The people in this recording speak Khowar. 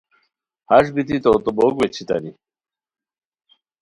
ہݰ بیتی توغوتے بوک ویچھیتانی